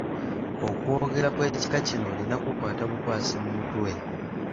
Okwogera okw'ekika kino olina kukukwata bukwasi mu mutwe.